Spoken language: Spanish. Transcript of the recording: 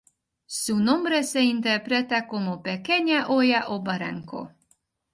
Su nombre se interpreta como ""Pequeña Hoya o Barranco"".